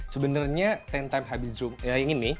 sebenarnya sepuluh x hybrid zoom ya ini nih